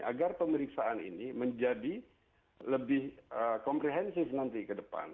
agar pemeriksaan ini menjadi lebih komprehensif nanti ke depan